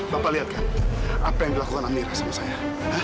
bapak lihat kan apa yang dilakukan amir sama saya